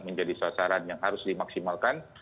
menjadi sasaran yang harus dimaksimalkan